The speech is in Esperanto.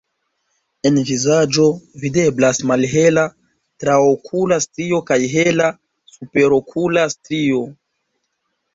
En vizaĝo videblas malhela traokula strio kaj hela superokula strio.